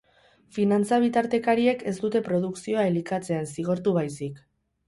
Finantza-bitartekariek ez dute produkzioa elikatzen, zigortu baizik.